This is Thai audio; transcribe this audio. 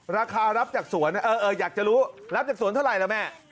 รับจากสวนอยากจะรู้รับจากสวนเท่าไหร่ล่ะแม่